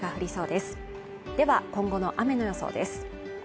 では、今後の雨の予想です。